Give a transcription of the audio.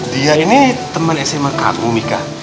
dia ini temen sma kamu mika